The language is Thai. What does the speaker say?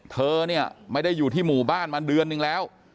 เธอเนี่ยไม่ได้อยู่ที่หมู่บ้านมาเดือนนึงแล้ว